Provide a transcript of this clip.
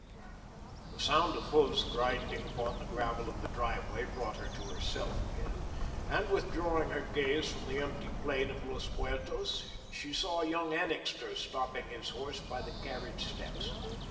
The sound of hoofs grinding upon the gravel of the driveway brought her to herself again, and, withdrawing her gaze from the empty plain of Los Muertos, she saw young Annixter stopping his horse by the carriage steps.